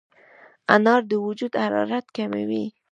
انار د وجود حرارت کموي.